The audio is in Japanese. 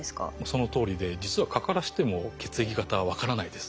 そのとおりで実は蚊からしても血液型は分からないです。